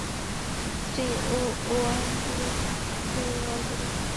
Shri Waheguru, Shri ওয়া গুরু।